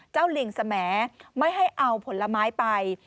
เจ้าลิงสมัยไม่ให้เอาผลไม้ไป